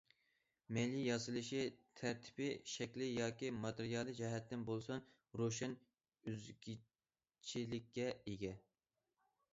مەيلى ياسىلىش تەرتىپى، شەكلى ياكى ماتېرىيالى جەھەتتىن بولسۇن روشەن ئۆزگىچىلىككە ئىگە.